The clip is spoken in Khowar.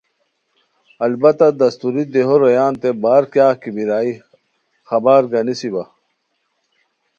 البتہ دستوری دیہو رویانتے بار کیاغ کی بیرائے خبر گانیسی وا